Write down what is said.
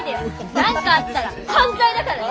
何かあったら犯罪だからね！